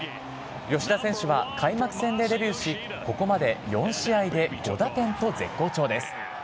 吉田選手は開幕戦でデビューし、ここまで４試合で５打点と絶好調です。